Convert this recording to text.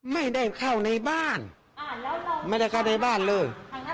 ไม่ได้เข้าในบ้านไม่ได้เข้าในบ้านเลย